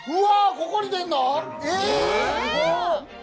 ここにでんの？